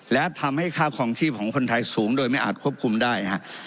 และทำให้ค่าคลองชีพของคนไทยสูงโดยไม่อาจควบคุมได้